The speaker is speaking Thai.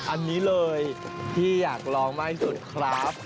อันนี้เลยที่อยากลองมากที่สุดครับ